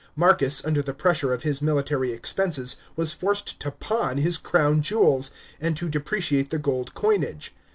Marcus, under the pressure of his military expenses, was forced to pawn his crown jewels, and to depreciate the gold coinage.